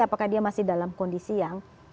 apakah dia masih dalam kondisi yang